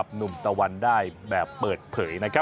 ก็อย่าลืมให้กำลังใจเมย์ในรายการต่อไปนะคะ